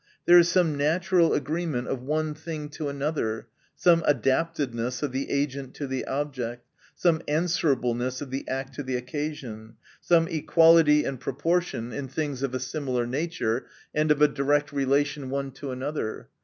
There is some natural agreement of one thing to another ; some adaptedness of the agent to the object ; some answera bleness of the act to the occasion ; some equality and proportion in things of a similar nature, and of a direct relation one to another.